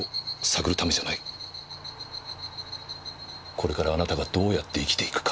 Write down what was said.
これからあなたがどうやって生きていくか。